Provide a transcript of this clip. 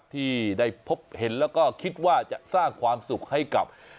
ที่ได้พบเห็นแล้วก็คิดว่าจะสร้างความสุขให้กับ